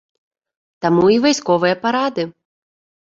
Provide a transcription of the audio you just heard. Таму і вайсковыя парады.